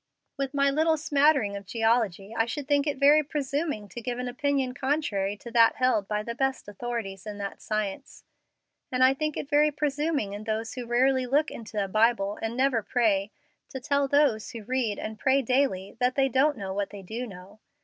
With my little smattering of geology I should think it very presuming to give an opinion contrary to that held by the best authorities in that science; and I think it very presuming in those who rarely look into a Bible and never pray, to tell those who read and pray daily that they don't know what they do know.